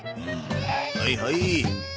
はいはい。